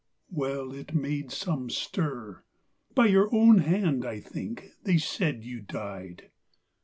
Well, it made some stir By your own hand, I think, they said you died.